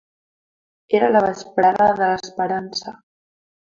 Era la vesprada de l’esperança.